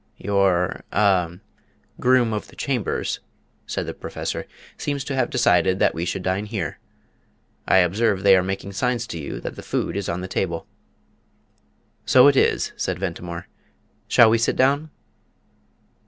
"Your ah groom of the chambers," said the Professor, "seems to have decided that we should dine here. I observe they are making signs to you that the food is on the table." "So it is," said Ventimore. "Shall we sit down?"